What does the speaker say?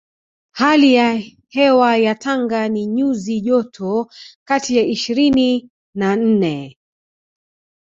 Hali ya hewa ya Tanga ni nyuzi joto kati ya ishirini na nne